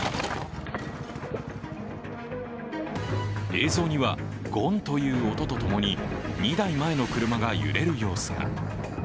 映像にはゴンという音とともに２台前の車が揺れる様子が。